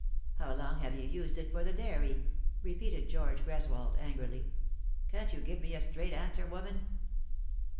" How long have you used it for the dairy ?" repeated George Greswold angrily ;" can't you give a straight answer, woman